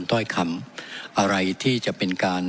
ถ้อยคำอะไรที่จะเป็นการ